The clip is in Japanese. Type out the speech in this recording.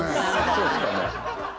そうすかね